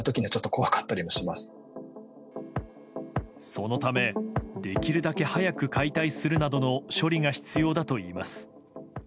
そのためできるだけ早く解体するなどの処理が必要だといいます。